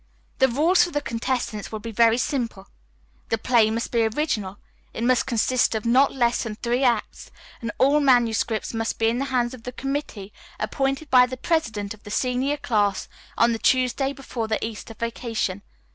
"The rules for the contestants will be very simple. The play must be original. It must consist of not less than three acts, and all manuscripts must be in the hands of the committee appointed by the president of the senior class on the Tuesday before the Easter vacation.